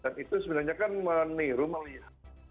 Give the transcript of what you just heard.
dan itu sebenarnya kan meniru melihat